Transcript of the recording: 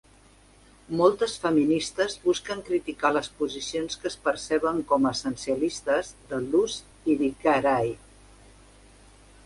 Moltes feministes busquen criticar les posicions que es perceben com essencialistes de Luce Irigaray.